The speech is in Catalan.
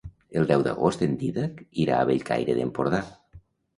El deu d'agost en Dídac irà a Bellcaire d'Empordà.